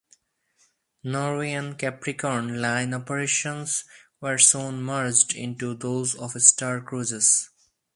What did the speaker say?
Norwegian Capricorn Line operations were soon merged into those of Star Cruises.